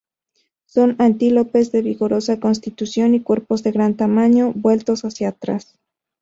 Son antílopes de vigorosa constitución y cuernos de gran tamaño vueltos hacia atrás.